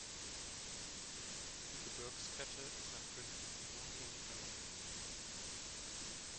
Die Gebirgskette ist nach Königin Emma der Niederlande benannt.